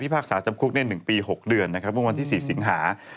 พี่ภาคศาสตร์จำคุกนี่๑ปี๖เดือนนะครับวันที่๔สิงหา